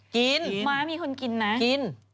กินจริงหรอน้างมีคนกินนะกิน